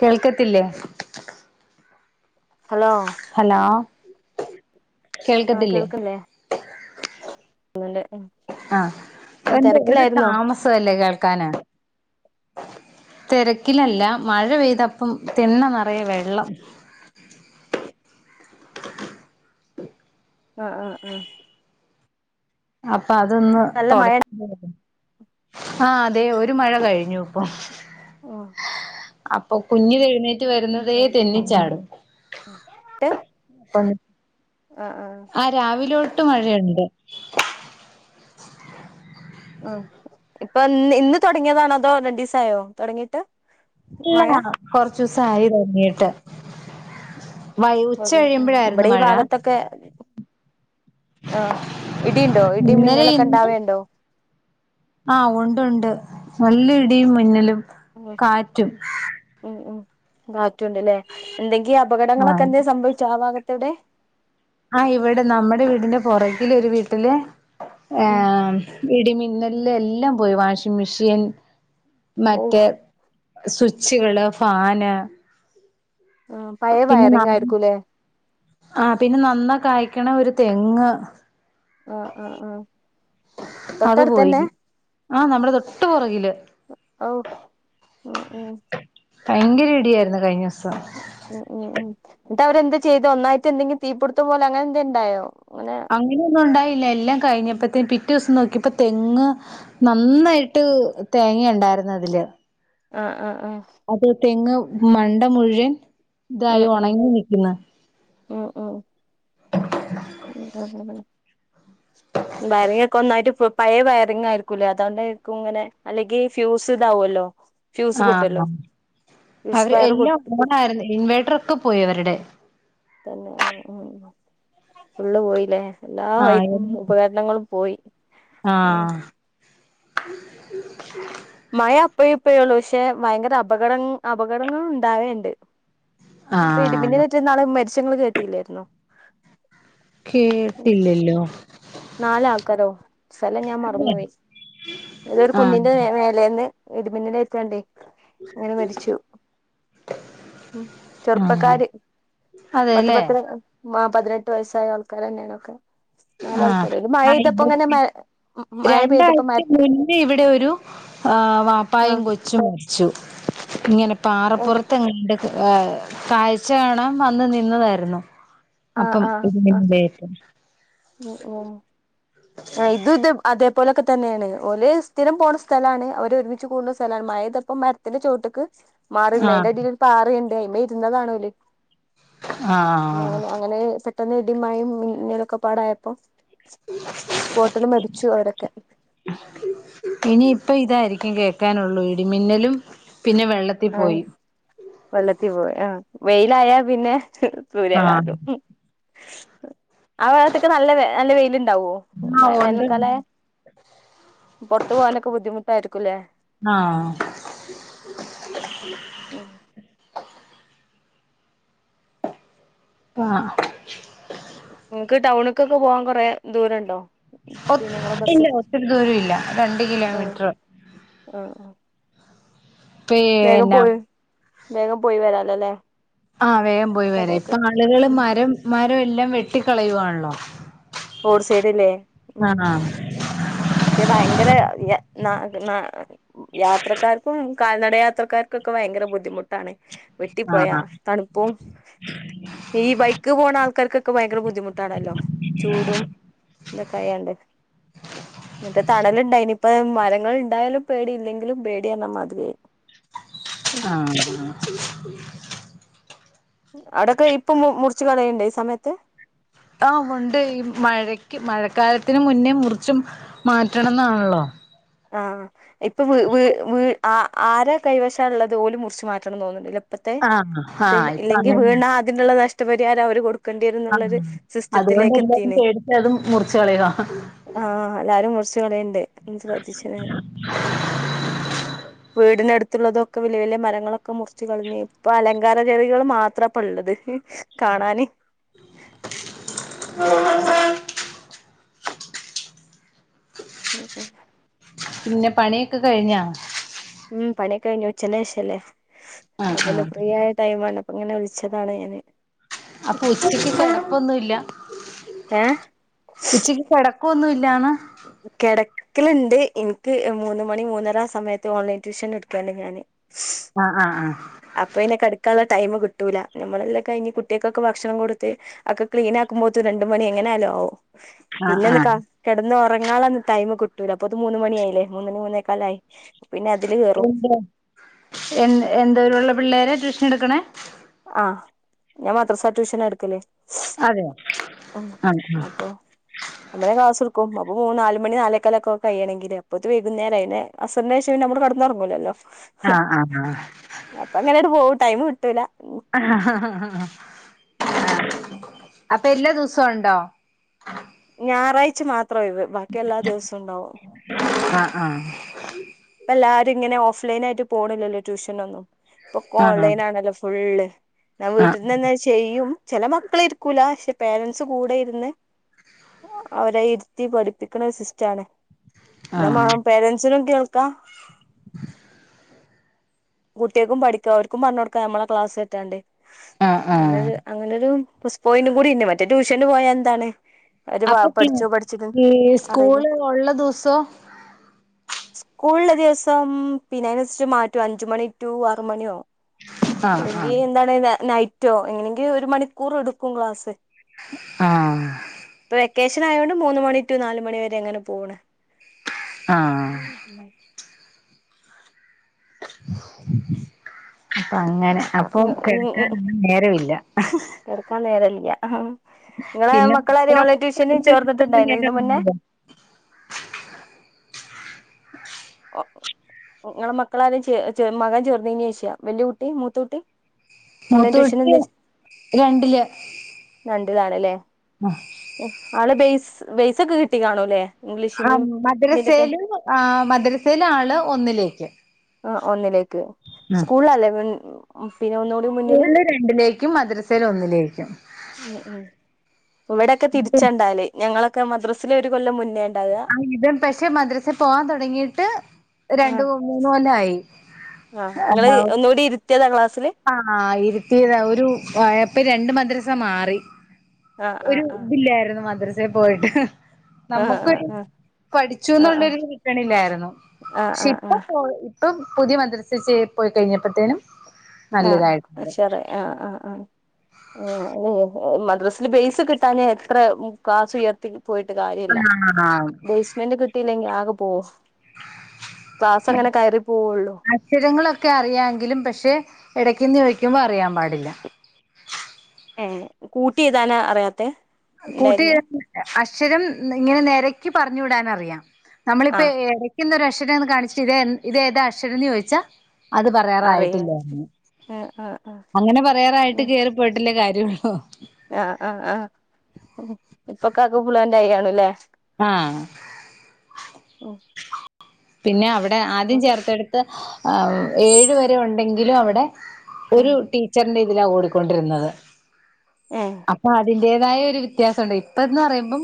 കേൾക്കത്തില്ലേ hello ആഹ് കേൾക്കത്തില്ലേ കേൾക്കല്ലേ അന്നല്ലേ ആഹ് എന്തെ ഒരു താമസമല്ലേ കേൾ ക്കാന തെരക്കിലല്ല മഴ പെയ്തപ്പം തിണ്ണ നെറയെ വെള്ളം ആ ആ ആ അഫ് അപ്പൊ അതൊന്ന് നല്ല മഴ തുടക്ക ആയിരുന്നു ആ അതെ ഒരു മഴ കഴിഞ്ഞു ഇപ്പൊ ആ അപ്പൊ കുഞ്ഞ് എഴുന്നേ വരുന്നതേ തെന്നിച്ചാടും ട്ട് ആ രാവിലെ തെട്ട് മഴയുണ്ട് ഉം ഇപ്പൊ ഇന്ന് തുടങ്ങിയതാണതോ രണ്ടീസാ യോ തുടങ്ങിട്ട് ഇല്ല മഴ കൊറച്ച ദിവസം ആയി തുടങ്ങിട്ട് ട്ട് ഇവിടെ ഈ ഭഗത്തൊക്കെ ആഹാ ഇടിയുണ്ടോ ഇടി ഇന്നലെ മിന്നലൊക്കെ ഇന്നും ഉണ്ടാവേണ്ടോ ആഹ് ഉണ്ട് ഉണ്ട് നല്ല ഇടിയും മിന്നലും കാറ്റും വാത്- റ്റുണ്ട്ല്ലേ എന്തെങ്കി അപകടങ്ങളൊക്കെ ആഹ് എന്തെ സംഭവിച്ചോ ആ ഭാഗ്- എവിടെ ആഹ് ഇവിടെ നമ്മുടെ വീടിന്റെ പൊറകില് ഒരു വീട്ടില് ഏ ഉം മ് ഇടിമിന്നലില് എല്ലാം പോയി വാഷിംഗ് മെഷീൻ ഓ മറ്റേ സ്വിച്ചുകള് ഫാന് ആ പഴയ പിന്നെ ന വയറിങ് ആയിരിക്കൂല്ലേ ആ പിന്നെ നന്ന കായ് ക്കണ ഒരു തെങ്ങ് ആ ആ ആ അത് പോയി തൊട്ടടുത്തന്നെ ആഹ് നമ്മുടെ തൊട്ട് പുറകില് ആഹ് ഉ ഭയങ്കര ഇടിയായിരുന്നു കഴിഞ്ഞ്വാസം മ്മ് മ്മ് മ്മ് അവരെന്ത് ചെയ്തു ഒന്നായിട്ട് എന്തെങ്കി തീപിട്ത്തം പോലെ അങ്ങനെന്തെ ഇണ്ടായോ അങ്ങനെ അങ്ങനെയൊന്നും ഉണ്ടായില്ല ല്ലകഴിഞ്ഞപ്പെത്തേ പിറ്റേ ദിവസം നോക്കിയപ്പോ തെങ് നന്നായിട്ട് തേങ്ങ ഇണ്ടായിരുന്ന അതില് ആഹ് ആഹ് ആഹ് അത് തെങ്ങ് മണ്ട മുഴുവൻ ഇതായി ഉം ഒണങ്ങി നിക്കുന്നു വയറിങ്ങ് ഒക്കെ ഒന്നായിട്ട് പഴയ വയറിങ് ആയിരിക്കൂല്ലേ അതൊണ്ടാരിക്കും ഇങ്ങനെ അല്ലെങ്കി ഫ്യൂസ് ഇതാവോല്ലോ ആഹ് അവര് വയറ് എല്ലാം പൊട്ടി ഓണായിരുന്നു ഇൻവേർട്ടർ ഒക്കെ പോയി അവരുടെ തന്നെ ആഹ് ആഹ് ഫുള്ള് പോയില്ലേ എല്ലാ ആഹ് എ ഉപകരണങ്ങളും പോയി ഉം ആഹ് മഴ അപ്പേ ഇപ്പയേ ഉള്ളു പക്ഷെ ഭയങ്കര അപകട അപകടങ്ങൾ ഉണ്ടാവേണ്ട് പ്പ ആഹ് ഇടിമിന്നലേറ്റ് ന്നാള് മരിച്ച ങ്ങള് കേട്ടീല്ലാരുന്നോ കേട്ടില്ലല്ലോ നാല് ആൾക്കാരോ സ്ഥലം ഞാൻ മറന്നുപോയി ഏതോ ഒരു ആഹ് കുന്നിന്റെ മേലേന്ന് ഇടിമിന്നലേറ്റാണ്ടെ അങ്ങനെ മരിച്ചു ആഹ് ചെറുപ്പക്കാര് പത്ത് അതെല്ലേ പത്ത് മാ പതിനെട്ട് വയസ്സായ ആൾക്കാരെന്നാണ് ഒക്കെ ആ ഇവിടെ മ മഴ പെയ്തപ്പോ രണ്ടാഴ്ച്ച മര മുന്നേ ഇവിടെ ഒരു ആ വാപ്പായയും ആഹ് കൊച്ചും മരിച്ചു ഇങ്ങനെ പാറപ്പുറത്ത്ങ്ങണ്ട് ഹ് കാഴ്ച കാണാൻ വന്ന് നിന്നതായിരുന്നു അപ്പം ഇടിമിന്നൽ ഏറ്റു ഓ ഓ ഹേ ഇതും ഇതും അത് ഇതേപോലെക്കെ തന്നെയാണ് ഓല് സ്ഥിര പോണ സ്ഥലാണ് അവര് ഒരുമിച്ച് കൂടുന്ന സ്ഥലാണ് മഴപെയ്തപ്പം മരത്തിന്റെ ചുവട്ട്ക്ക് മാറി നിന്നേ ആഹ് അതിന്റെ അടിയിൽ പാറയിണ്ട് അയിമേ ഇരുന്നതാണ് ഓല് പിന്നെ ആഹ് അങ്ങനെ സെ പെട്ടെന്ന് ഇടി മഴയിം മിന്നലൊക്കെ പാടെ ആയപ്പോ [unintelligible] സ്‌പോട്ടിൽ മരിച്ചു അവരൊക്കെ ഇനിയിപ്പ ഇതായിരിക്കും കേൾക്കാനുള്ളൂ ഇടിമിന്നലും പിന്നെ വെള്ളത്തി അതെ പോയി വെള്ളത്തീ പോയി ആ വെയിലായാ പിന്നെ ആഹ് സൂര്യാഘാദം ആ വാഗത്തൊക്കെ നല്ല നല്ല വെയില് ണ്ടാവോ ആഹ് ഉണ്ട് വേനൽക്കാലായാ പൊറത്ത് പോവാനൊക്കെ ബുദ്ധിമുട്ടായിരിക്കുലേ ആഹ് ഉം ആഹ് നിങ്ങക്ക് ടൗണ്ക്കൊക്കെ പോവാൻ കൊറേ ദൂരണ്ടോ ഒ പിന്നെ നിങ്ങളെ ഇല്ല ബസ് ഒത്തിരി ദൂരം ഇല്ല രണ്ട് ആ കിലോമീറ്റർ ആ ആ വേഗം പിന്നെ പോയ് വേഗം പോയി വരാ ല്ലലേ ആഹ് വേം പോയി വരാ ഇപ്പൊ ആളുകള് ഉം മരം മ എല്ലാം വെട്ടിക്കളയുവാണല്ലോ റോഡ് സൈഡ്ല്ലേ മ് ആഹ് പക്ഷേ ഭയങ്കര [unintelligible] യാത്രക്കാർക്കും കാൽനട യാത്രക്കാർക്കൊക്കെ ഭയങ്കര ബുദ്ധിമുട്ടാണ്. വെട്ടിപ്പോയാ ആഹ് തണുപ്പും ഈ ബൈക്ക് പോണ ആൾക്കാർക്ക് ക്ക ഭയങ്കര ബുദ്ധമു ട്ടാണല്ലോ ചൂടും ഇതക്കായാണ്ട് ഇന്നട്ട് തണല്ണ്ടായ്ന്ന്പ്പ മരങ്ങൾ ഇണ്ടായാലും പേടിയില്ലെങ്കിലും പേടി എന്ന മാതിരിയായി ആഹ് ആഹ് അടക്ക ഇപ്പം മു മുറിച്ചു കളയണ്ടെ ഈ സമയത്ത് ആ മുണ്ട് ഈ മഴക്ക് മഴക്കാലത്തിന് മുന്നേ മുറിച്ചും മാറ്റണന്നാണല്ലോ ആഹ് ഇപ്പ വ് വ് വ് ആ ആര കൈവശാള്ളത് പോലും മുറിച്ചു മാറ്റണം തോന്നുന്നുല്ലേ ഇപ്പത്തെ ആഹ് ഇത് ആഹ് ഇപ്പൊ ഇല്ലെങ്കി അങ്ങനെയാ വീണാ അതിനുള്ള നഷ് റ്റ് പരിഹാരം അവര് കൊടു കണ്ടെരുന്നുള്ളത് ആഹ് അതുകൊണ്ട് എല്ലാരും സിസ്റ്റത്തിലേക്കെത്തിന് പേടിച്ച് അത് മുറിച്ച് കളയുവാ ആ ആ എല്ലാരും മുറിച്ച് [unintelligible] [unintelligible] വീടിനടു ത്തുള്ളതൊക്ക വലിയ വലിയ മരങ്ങളൊക്ക മുറിച്ച് കളഞ്ഞ് ഇപ്പ അലങ്കാര ചെടികള് മാത്രപ്പള്ളത് ഹ് കാണാന് [inaudible] [unintelligible] പിന്ന പണിയ്ക്ക കഴിഞ്ഞാ മ്മ് പണിയക്കഴിഞ്ഞു ഉച്ചല് ന്റെഷല്ലേ ആഹ് ആഹ് അപ്പൊന്ന് ഫ്രീയായ ടൈമാണ അങ്ങന വിളിച്ചതാണ് എന്നെ അപ്പ ഉച്ചയ്ക്ക് കിടപ്പൊന്നുല്ല ഏഹ് ഉച്ചക്ക് കിടക്കൊന്നുൽ ല്ലാന്ന് കിട ക്കലുണ്ട് എന്ക്ക് മൂന്ന് മണി മൂന്നരാ സമയത്ത് ഓൺലൈൻ ട്യൂഷൻ എടുക്കാണ് ഞാന് ആഹ് ആഹ് ആഹ് അപ്പ ഇനി കടുക്കാള്ള ടൈമ് കിട്ടൂല്ല നമ്മളെല്ലാ കയിഞ്ഞ് കുട്ടികക്കൊക്ക ഭക്ഷണം കൊടുത്ത് അക്ക ക്ലീനാക്കുമ്പോത്ത് രണ്ട് മണി എങ്ങനായാലു ആവും ആഹ് പിന്നെന്ന് ക ആഹ് കിടന്ന് ഉറങ്ങാള്ളത് ടൈമ് ട്ടൂല അപ്പൊത് മൂന്ന് മണിയായില്ലേ മൂന്നണി മൂന്നേക്കാലായി പിന്നെ അതില് കേറും [unintelligible] എന്ന് എന്തരുള്ള പിള്ളേരെ ട്യൂഷെടുക്കണ ആഹ് ഞാൻ മദ്രസ്സ ട്യൂഷനാ എടുക്കല്ല് അതെ ആണ് ആ നമ്മളേ ക്ലാസ്സെട്ക്കും അപ്പ മൂന്ന് നാല്മണി നാലേക്കാലൊക്കെ കഴിയണങ്കില് അപ്പോത്തിന് വകുന്നേരായിലെ ന്നെ അസർനേഷം നമ്മള്കടന്നോർങ്ങൂലെ ഹ് ആഹ് ആഹ് അപ്പൊ അങ്ങനെട്ട് പോവും ടൈം കിട്ടൂ ഹ ഹാ ഹാ ഹാ ഹും അപ്പൊ എല്ലാ ദിവസണ്ടോ ഞായറാഴ്ച മാത്രം ഒയിവ് വ ക് എല്ലാ ദിവസവും ഉണ്ടാവും ആഹ് ആഹ് ഇപ്പ എല്ലാരും ഇങ്ങനെ ഓഫ്ലൈനായിട്ട് പോണില്ലല്ലോ ട്യൂഷനൊന്നും ഇപ്പൊക്കോ ആഹ് ഓൺലൈൻ ആണല്ലോ ഫുള്ള് നാൻ ആഹ് വീട്ടിന്നന്നെ ചെയ്യും ചില മക്കളിരിക്കൂല പക്ഷെ പേരന്റസ് കൂടെ ഇരുന്ന് അവരെ ഇരുത്തി പഠിപ്പിക്കണ ഒരു സിസ്റ്റാണ് ആഹ് മണം പേരൻസിനും കേൾക് ക്കാം [unintelligible] കുട്ടിക്കും പഠിക്ക അവർക്കും പറഞ്ഞു കൊടുക്കാ നമ്മളെ ക്ലാസ് കേട്ടാണ്ട് ആഹ് ആഹ് അങ്ങനെരു അങ്ങനൊരു പ്ലസ് പോയിന്റ് കൂടിണ്ട് മറ്റേ ട്യൂഷന് പോയാ എന്താണ് അവര് അപ്പൊ പഠിച്ചോ പഠിച്ചിട്ട് ഈ അറിയില്ല സ്കൂള് ഒള്ള ദവസോ സ്കൂള്ള്ള ദിവസം ഐനൻസരിച്ച് മാറ്റും അഞ്ച് മണി ടു ആറ് മണിയോ ആഹ് അല്ലങ്കി ആഹ് എന്താണ് ന നൈറ്റ് റ്റോ എങ്ങനെങ്കിലും ഒരു മണിക്കൂർ എടുക്കും ക്ലാസ് ആഹ് ഇപ്പൊ വെക്കേഷൻ ആയോണ്ട് മൂന്ന് മണി ടു നാല് മണി വരെ എങ്ങനെ പോണ് ആഹ് [unintelligible] അപ്പൊ അങ്ങനെ അപ്പൊ കിടക്കാനൊന്നും നേരമില്ല ഹ് ഹ് ആഹ് ഇല്ല പിന്നെപ്പ കഴന്നെ ചേർന്നിട്ടുണ്ടായിരുന്നോ ഇതിന് മുന്നേ നേരമാണോ [unintelligible] ഓ ഓ ങ്ങളെ മക്കളാരേലും ചെ മകൻ ചേർന്നീനോ വലിയ കുട്ടി മൂത്തകുട്ടി മൂത്തട്ടി രണ്ടില് രണ്ടിലാണല്ലേ ആള് ബെയ്സ് ബെസൊക്കെ കിട്ടി കാണു അല്ലേ ആ മദ്രസയില് ആ മദ്രസയില ആള് ഒന്നില് [unintelligible] ആ ഒന്നിലേക്ക് സ്കൂൾ അല്ലേ മുന്നിൽ ഓഫഹ് സ്കൂളിൽ രണ്ടിലേക്കും മദ്രസൽ ഒന്നിലേക്കും മ് മ് ഇവിടെക്കെ തിരിച്ചണ്ടാല് ഞങ്ങളൊക്കെ ഒക്കെ മദ്രസാല് ഒരു കൊല്ല മുന്നേണ് ആ ഇതും പക്ഷെ മദ്രസൽ പോവാൻ തുടങ്ങിട്ട് രണ്ടു ആഹ് മൂന്ന് കൊല്ലായി ആഹ് നിങ്ങള് ഒന്നുകൂടി ഇരുത്തിയാലെ ക്ലാസ് ആഹ് ആഹ് ഇരുത്തിയതാ ഒരു അപ്പൊ രണ്ട് മദ്രസ മാറി ആഹ് ഒരു ആഹ് ഇതില്ലായിരുന്നു മദ്രസ് ദേ പോയിട്ട് ആഹ് ആഹ് നമുക്കൊരു ആഹ് പഠിച്ചു ആഹ് എന്നുള്ളരുത് കിട്ടണില്ലായിരുന്നു ആഹ് പക്ഷെ ആഹ് ഇപ്പൊ ആഹ് പോ ഇപ്പം പുതിയ മദ്രസച്ചേർ പോയി കഴിഞ്ഞപ്പോഴത്തേനും ആഹ് അക്ഷറേ ആഹ് ആഹ് ആഹ് മ ഡ്രസ്സില് ബേസ് കിട്ടാഞ്ഞ് എത്ര മ് കാഷ് ഉയർത്തി പോയിട്ട് കാരില്ല ആഹ് ബേസ്മെന്റ് കിട്ടി ഇല്ലെങ്കി ആകെ പോസ് അക് പോവുള്ളൂ അക്ഷരങ്ങളൊക്കെ അറിയാെങ്കിലും പക്ഷെ ഇടയ്ക്കിന്ന് ചോദിക്കുമ്പോൾ അറിയാൻ പാടില്ല ഏ കൂട്ടി എഴ്താനാ അറിയാത്തെ കൂട്ടി ഉണ്ടായിരുന്നേ അക്ഷരം ഇങ്ങനെ നേരെ എനിക്ക് പറഞ്ഞ് വിടാനറിയാം നമ്മളിപ്പ ആ ഇടയ്ക്കുന്നൊര [unintelligible] കാണിച്ചട്ട് ഇത് ഇത ഏതാ അക്ഷരം എന്ന് ചോദിച്ചാ അത് അറിയാം പറയാറായിട്ടില്ലേ ആ ആ ആ അങ്ങനെ പറയാറായിട്ട് കേയറിപ്പോയിട്ടില്ല കാര്യം ആഹ് ആഹ് ആഹ് ഇപ്പൊപ്പാക്ക് ഫുളന്റ് ആയി കാണുല്ലേ ആഹ് ഉം പിന്നെ അവി എ ആദ്യം ഉം ചേർത്തട്ത് അ ഉ ഏയ്‌വരെ ഉണ്ടങ്കിലു അവടെ ഉം ഒരു ടീച്ചർന്റെ തിലെ ഓടികൊണ്ടിരുന്നത് ഏ അപ്പൊ അതിൻ ജെതായെ രു വെത്യാസോണ്ട് ഇപ്പന്നറിയുമ്പം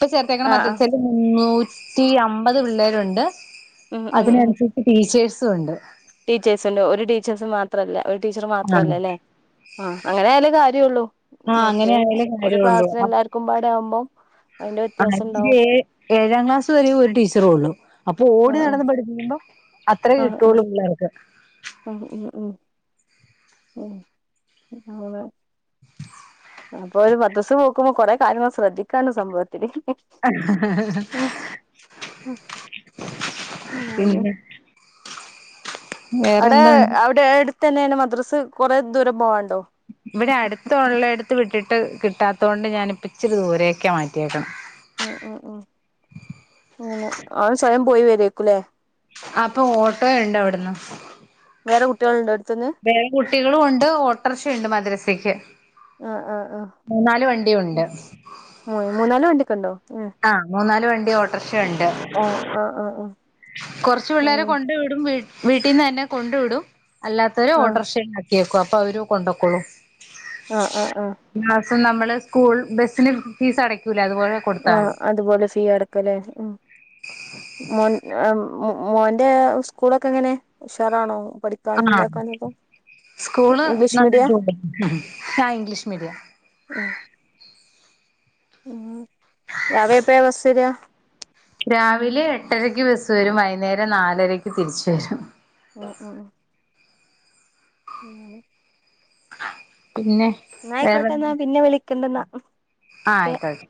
പ്പ തേങ്ങണ ആ ആ മദ്അസേല് നൂറ്റിഅമ്പ് മ്പത് പിള്ളേരുണ്ട് അതിന് ശെരിക് ടീച്ചേയ്സ് തുണ്ട് ടീച്ചേയ്സല്ലോ ഒരു ടീച്ചേസ് മാത്രല്ല ഒരു ടീച്ചർ ആഹ് മാത്രല്ലലെ അ അങ്ങനായാലെ കാര്യുള്ളു ആ അങ്ങനെആൻകിലെ കാര്യൊള്ളു പാടെ ആവുമ്പം അയിന്റെ വ്യത്യാസം ഉണ്ടാവും [unintelligible] ഏയാംക്ലാസ് വരെ ഒരു ടീച്ചറുള്ളു അപൊ ആഹ് ഓടിനടന്ന് പഠിപ്പികുമ്പം അത്രെ കിട്ടൊള്ളു [unintelligible] [unintelligible] ഉം ഉം ഉം ഉ ആവെ അപ്പൊ ഒരു പത്തൊസം ഓകുമ്പോ കൊറേ കാര്യങ്ങള് ശ്രദ്ധിക്കാന്ന് സ [unintelligible] ആ അ [unintelligible] പിന്നെ അവ്ടെ വേറെന്തുണ്ട് അവ്ടേ ടിസ് തന്നെണോ മദ്രസ്സ് കൊറേ ദൂരെ പോവാണ്ടോ? വിടെ അടുത്തുള്ളേട്ത് വിട്ടിട്ട് കിട്ടാത്തോണ്ട് ഞാനിപ്ച്ചിരി ദൂരേക്ക മാറ്റിയത് അ അ ആ ഇല്ല അഹ് സ്വയം പോയി വരേക്കുല്ലേ അപൊ ഓട്ടോണ്ട് അവിട്ന്ന് വേറെ കുട്ട്യോള്ണ്ടോ വേറേം കുട്ടികളൊണ്ട് ഓട്രാശേംണ്ട് മദ്രസെക്ക് ആഹ് ആഹ് ആഹ് മൂന്നാല് വണ്ടിയുണ്ട് ഉം മൂന്നാല് വണ്ടിയൊക്കെ ഉണ്ടോ ഉം ആ മൂന്നാല് വണ്ടി ഓ ആഹ് ആഹ് അ അ കൊർച്ചു വിള്ളേരെ കൊണ്ടുവിടു [unintelligible] വീട്ടീന്നെന്നെ കൊണ്ടുവിടു അല്ലാത്തോര് ആഹ് ഓട്രഷേകാ കേക്കു അപ്പവരു കൊണ്ടക്കോളൂ ആ ആ ആ നമ്മള് സ്കൂൾ ബസിന് ഫീസ് അടക്ക ആ അതുപോലെ ഫീ അടക്കലേ ഉം മോ മോന്റെ സ്കൂളൊക്കെ എങ്ങനെ ഉഷാറാണോ പഠിക്കാനും ആഹ് ഇതാക്കാനൊക്കെ സ്കൂള് ഇംഗ്ലീഷ് നന്ന് മീഡിയ പോവ്ണ്ട് ഷാഇംഗ്ലീഷ് മീഡിയാ ഉം രാവിലെ എപ്പഴാ ബസ്സരാ രാവിലെ എട്ടരക്ക് ബസ് വരും വൈകുന്നേരം നാലരക്ക് തിരിച്ച്വരും ഉം ഉം ഉം പിന്നെ വേറെ എന്നായിക്കോട്ടെ എന്നാ പിന്നെ വിളിക്കണ്ടെന്നാ ആഹ് ഓക്കെ ആയിക്കോയി